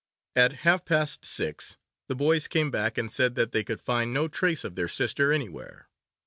At half past six the boys came back and said that they could find no trace of their sister anywhere.